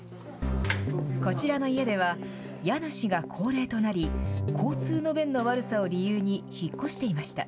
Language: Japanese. こちらの家では家主が高齢となり交通の便の悪さを理由に引っ越していました。